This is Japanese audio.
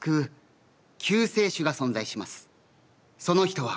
その人は。